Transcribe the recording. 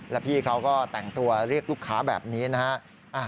แล้วพี่เขาก็แต่งตัวเรียกลูกค้าแบบนี้นะฮะ